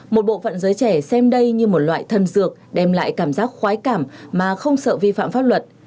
một bộ phận giới trẻ xem đây như một loại thân dược đem lại cảm giác khoái cảm mà không sợ vi phạm pháp luật